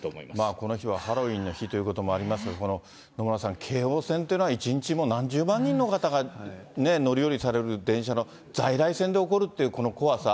この日はハロウィーンの日ということもありまして、この野村さん、京王線っていうのは、一日、何十万人の方が乗り降りされる電車の在来線で起こるっていう、この怖さ。